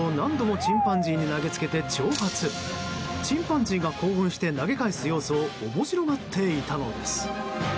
チンパンジーが興奮して投げ返す様子を面白がっていたのです。